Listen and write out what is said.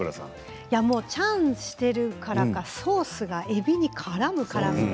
チャンしているからかソースにえびがからむ、からむ。